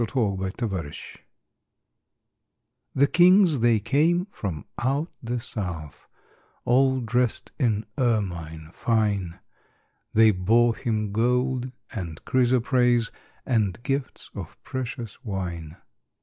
Christmas Carol The kings they came from out the south, All dressed in ermine fine, They bore Him gold and chrysoprase, And gifts of precious wine.